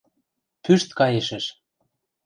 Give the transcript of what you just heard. Пӱшт каешӹш.